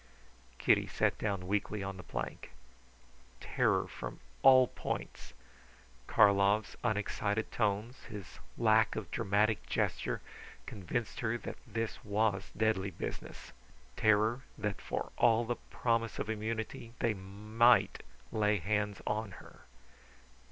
Kitty sat down weakly on the plank. Terror from all points. Karlov's unexcited tones his lack of dramatic gesture convinced her that this was deadly business. Terror that for all the promise of immunity they might lay hands on her.